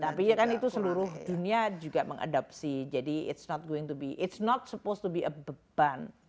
ya tapi kan itu seluruh dunia juga mengadopsi jadi it s not going to be it s not supposed to be a beban